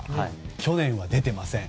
去年は出てません。